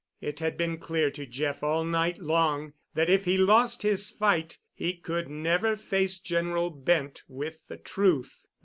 It had been clear to Jeff all night long that if he lost his fight he could never face General Bent with the truth.